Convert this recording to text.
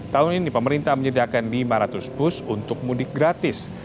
tahun ini pemerintah menyediakan lima ratus bus untuk mudik gratis